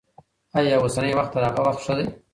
آيا اوسنی وخت تر هغه وخت ښه دی؟